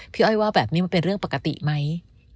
อ้อยว่าแบบนี้มันเป็นเรื่องปกติไหม